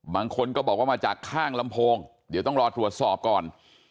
บางคนก็บอกว่ามาจากข้างลำโพงเดี๋ยวต้องรอตรวจสอบก่อน